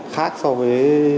khác so với